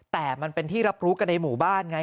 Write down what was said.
แต่มันเป็นที่รับรู้กันในหมู่บ้านไง